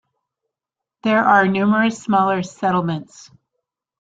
There are numerous smaller settlements.